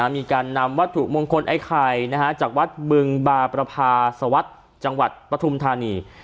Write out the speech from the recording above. มีการนำวัตถุมงคลไอ้ไข่จากวัดบึงบาประพาสวัสดิ์จังหวัดปฐุมธานี